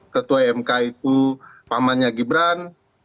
ketua mk itu pamannya gibran